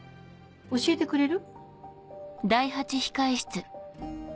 教えてくれる？